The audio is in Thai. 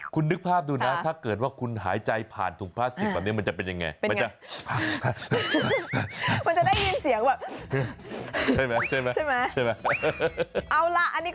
คุณนึกภาพดูนะถ้าเกิดว่าคุณหายใจผ่านถุงพลาสติกแบบนี้มันจะเป็นยังไง